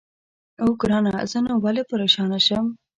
اوه، ګرانه زه نو ولې پرېشانه شم؟